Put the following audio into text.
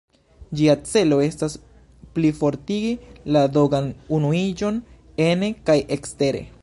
Ĝia celo estas plifortigi la dogan-unuiĝon ene kaj ekstere.